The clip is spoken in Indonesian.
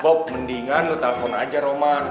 bob mendingan lo telfon aja roman